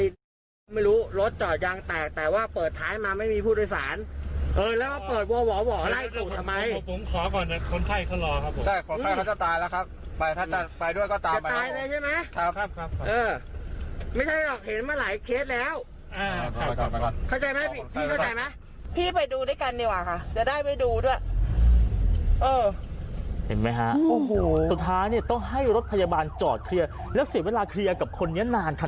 สุดท้ายต้องให้รถพยาบาลจอดเคลียร์แล้วเสียเวลาเคลียร์กับคนนี้นานค่ะ